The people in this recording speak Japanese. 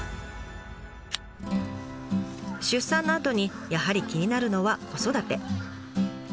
出産のあとにやはり気になるのは子育て。